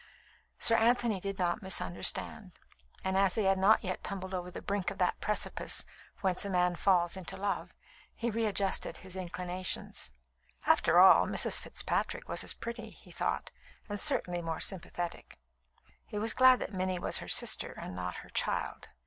Sir Anthony did not misunderstand, and as he had not yet tumbled over the brink of that precipice whence a man falls into love, he readjusted his inclinations. After all, Mrs. Fitzpatrick was as pretty, he thought, and certainly more sympathetic. He was glad that Minnie was her sister, and not her child.